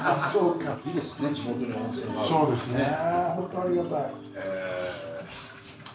そうですね。